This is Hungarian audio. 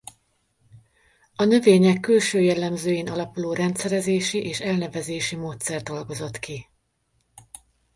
A növények külső jellemzőin alapuló rendszerezési és elnevezési módszert dolgozott ki.